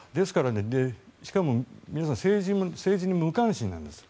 しかも皆さん政治に無関心なんです。